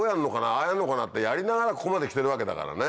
ああやんのかな？ってやりながらここまで来てるわけだからね。